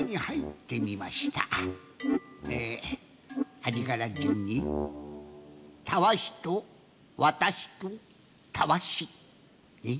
はじからじゅんにたわしとわたしとたわし。